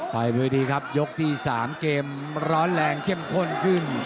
ไปเวทีครับยกที่๓เกมร้อนแรงเข้มข้นขึ้น